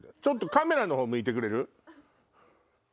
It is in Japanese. カメラの方向いてくれる。